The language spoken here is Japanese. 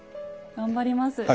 頑張ります。